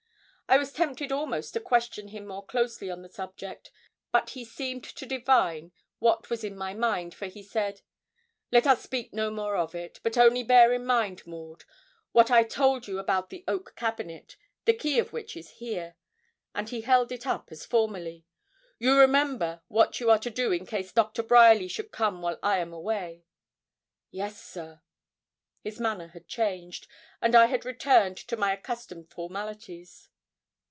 I was tempted almost to question him more closely on the subject, but he seemed to divine what was in my mind, for he said 'Let us speak no more of it, but only bear in mind, Maud, what I told you about the oak cabinet, the key of which is here,' and he held it up as formerly: 'you remember what you are to do in case Doctor Bryerly should come while I am away?' 'Yes, sir.' His manner had changed, and I had returned to my accustomed formalities.